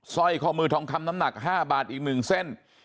สร้อยข้อมือทองคำน้ำหนัก๕บาทอีก๑เส้น